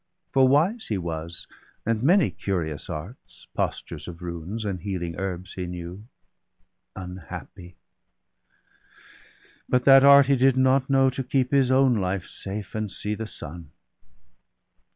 For wise he was, and many curious arts, Postures of runes, and healing herbs he knew; Unhappy! but that art he did not know. To keep his own life safe, and see the sun.